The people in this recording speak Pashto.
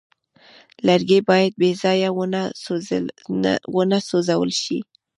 لرګی باید بېځایه ونه سوځول شي.